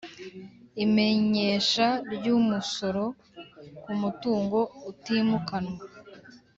Imenyesha ry umusoro ku mutungo utimukanwa